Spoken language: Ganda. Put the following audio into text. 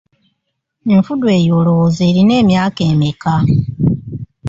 Enfudu eyo olowooza erina emyaka emeka?